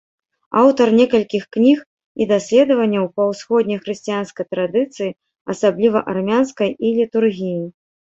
Аўтар некалькіх кніг і даследаванняў па ўсходняй хрысціянскай традыцыі, асабліва армянскай, і літургіі.